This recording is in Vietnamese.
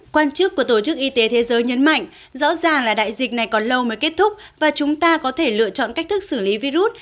quan chức của tổ chức y tế thế giới nhấn mạnh rõ ràng là đại dịch này còn lâu mới kết thúc và chúng ta có thể lựa chọn cách thức xử lý virus